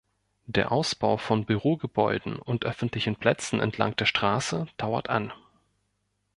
Der Ausbau von Bürogebäuden und öffentlichen Plätzen entlang der Straße dauert an.